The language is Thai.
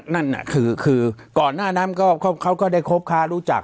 นั่นน่ะคือก่อนหน้านั้นเขาก็ได้คบค้ารู้จัก